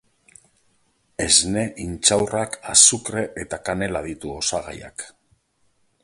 Esne, intxaurrak, azukre eta kanela ditu osagaiak.